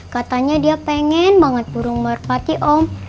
katanya dia pengen banget burung merpati om